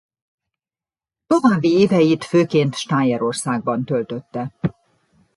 További éveit főként Stájerországban töltötte.